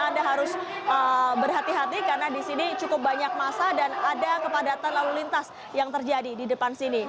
anda harus berhati hati karena di sini cukup banyak masa dan ada kepadatan lalu lintas yang terjadi di depan sini